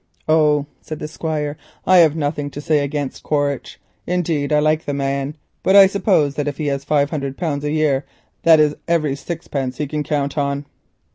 "Oh," said the Squire, "I have nothing to say against Quaritch, indeed I like the man, but I suppose that if he has 600 pounds a year, it is every sixpence he can count on."